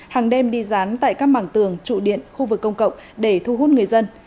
hàng đêm đi rán tại các bảng tường trụ điện khu vực công cộng để thu hút người dân